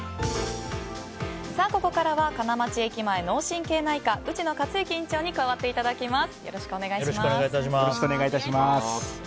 ここからは金町駅前脳神経内科内野勝行院長に加わっていただきます。